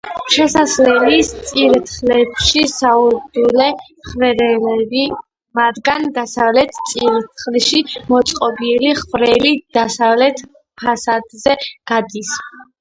შესასვლელის წირთხლებში საურდულე ხვრელებია, მათგან დასავლეთ წირთხლში მოწყობილი ხვრელი დასავლეთ ფასადზე გადის.